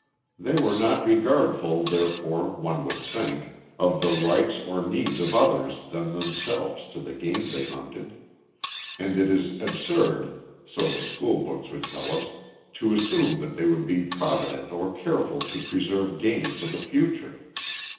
They were not regardful, therefore, one would think, of the rights or needs of others than themselves to the game they hunted; and it is absurd (so the school books would tell us) to assume that they would be provident or careful to preserve game for the future.